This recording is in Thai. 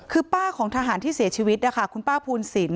คือป้าของทหารที่เสียชีวิตนะคะคุณป้าภูนศิลป